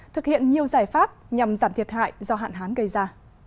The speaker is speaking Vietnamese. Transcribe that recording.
thực hiện nhiều giải pháp nhằm giảm thiệt hại do hạn hán gây ra